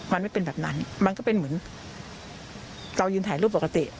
มันไม่เป็นแบบนั้นมันก็เป็นเหมือนเรายืนถ่ายรูปปกติ